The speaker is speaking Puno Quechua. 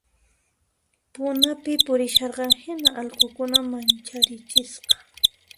Punapi purisharan hina allqukuna mancharichisqa